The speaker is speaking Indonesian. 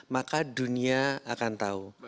maka dunia akan tahu